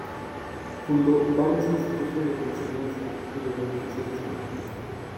Fundó varias instituciones de enseñanza y de beneficencia.